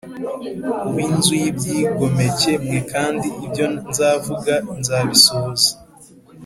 Ub inzu y ibyigomeke mwe kandi ibyo nzavuga nzabisohoza